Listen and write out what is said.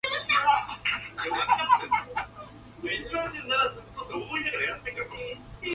The muskets of the "Fair American" were salvaged and the schooner refloated.